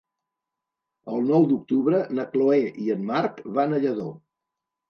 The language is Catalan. El nou d'octubre na Chloé i en Marc van a Lladó.